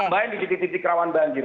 main di titik titik rawan banjir